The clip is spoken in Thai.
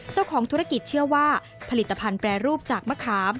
เจ้าของธุรกิจเชื่อว่าผลิตภัณฑ์แปรรูปจากมะขาม